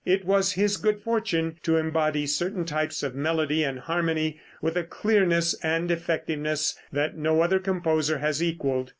It was his good fortune to embody certain types of melody and harmony with a clearness and effectiveness that no other composer has equaled.